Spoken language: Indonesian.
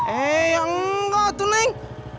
eh enggak tuh neng